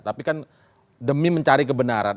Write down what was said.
tapi kan demi mencari kebenaran